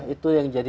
itu yang jadi